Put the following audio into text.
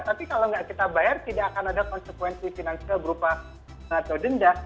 tapi kalau nggak kita bayar tidak akan ada konsekuensi finansial berupa atau denda